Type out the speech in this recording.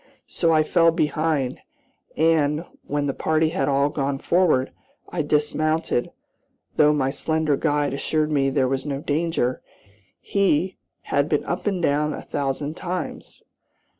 So I fell behind, and, when the party had all gone forward, I dismounted, though my slender guide assured me there was no danger, he "had been up and down a thousand times."